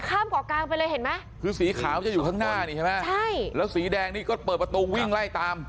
คือสีขาวจะอยู่ข้างหน้านี่ใช่ไหมใช่แล้วสีแดงนี่ก็เปิดประตูวิ่งไล่ตาม